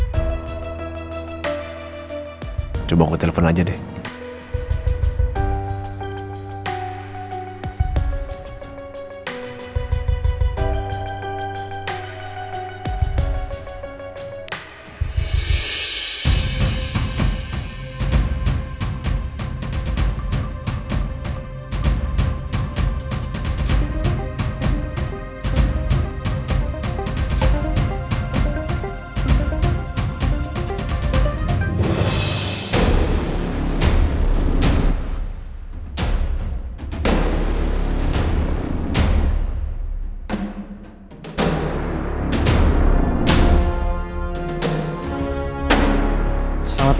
paling kurang malem umen awad madame jum'at